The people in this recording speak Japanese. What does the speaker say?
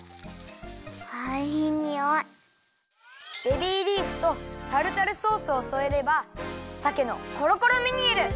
ベビーリーフとタルタルソースをそえればさけのコロコロムニエル！